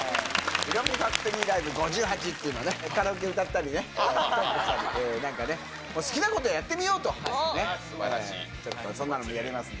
ヒロミファクトリーライブ５８っていうのをね、カラオケ歌ったり、トークしたり、なんかね、好きなことやってみようというね、ちょっとそんなのやりますんで、